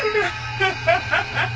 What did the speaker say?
ハッハハハ。